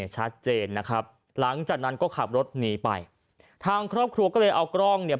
ชัดเจนนะครับหลังจากนั้นก็ขับรถหนีไปทางครอบครัวก็เลยเอากล้องเนี่ย